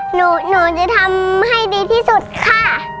หนูจะทำให้ดีที่สุดค่ะ